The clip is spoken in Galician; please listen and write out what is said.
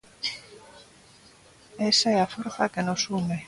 Esa é a forza que nos une.